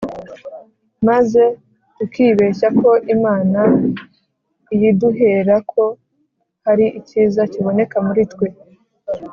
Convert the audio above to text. maze tukibeshya ko Imana iyiduhera ko hari icyiza kiboneka muri twe